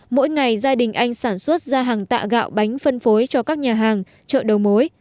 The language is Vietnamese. mỗi ngày gia đình anh sản xuất ra hàng tạ gạo bánh phân phối cho các nhà hàng chợ đầu mối